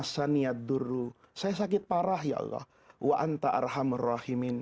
saya sakit parah ya allah